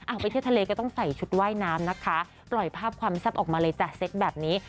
ไปเที่ยวทะเลก็ต้องใส่ชุดว่ายน้ำนะคะปล่อยภาพความแซ่บออกมาเลยจ้ะเซ็กแบบนี้